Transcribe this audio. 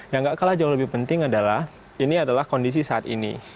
yang penting adalah ini adalah kondisi saat ini